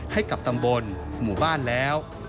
ให้กับตำบลหมู่บ้านแล้ว